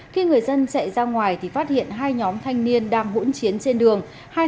khi người dân chạy ra ngoài thì phát hiện hai nhóm thanh niên đang hỗn chiến trên đường